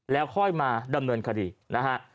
แล้วค่อยมาดำเนินคดีนะฮะ